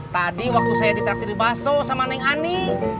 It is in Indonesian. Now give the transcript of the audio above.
tadi waktu saya ditraktir di baso sama neng ani